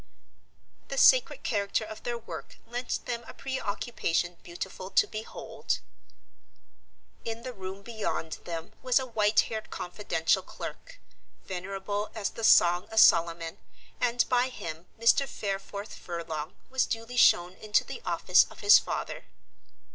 The sacred character of their work lent them a preoccupation beautiful to behold. In the room beyond them was a white haired confidential clerk, venerable as the Song of Solomon, and by him Mr. Fareforth Furlong was duly shown into the office of his father.